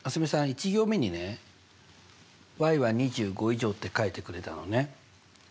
１行目にねは２５以上って書いてくれたのね。